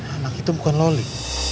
anak itu bukan loli